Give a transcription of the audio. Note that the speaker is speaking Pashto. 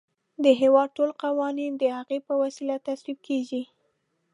د هیواد ټول قوانین د هغې په وسیله تصویب کیږي.